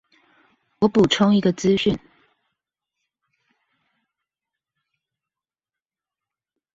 我補充一個資訊